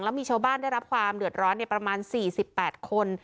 แล้วมีชาวบ้านได้รับความเดือดร้อนในประมาณสี่สิบแปดคน